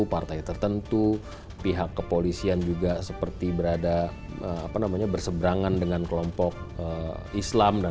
partai tertentu pihak kepolisian dan lain lain